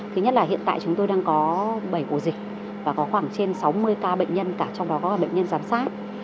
thứ nhất là hiện tại chúng tôi đang có bảy ổ dịch và có khoảng trên sáu mươi ca bệnh nhân cả trong đó có bệnh nhân giám sát